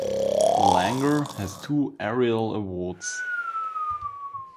Langer has two Ariel Awards.